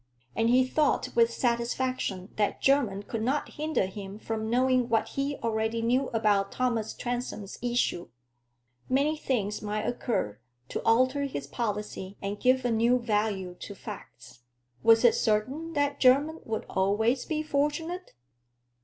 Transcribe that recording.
And he thought with satisfaction that Jermyn could not hinder him from knowing what he already knew about Thomas Transome's issue. Many things might occur to alter his policy and give a new value to facts. Was it certain that Jermyn would always be fortunate?